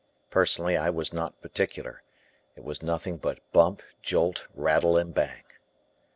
Personally, I was not particular. It was nothing but bump, jolt, rattle, and bang.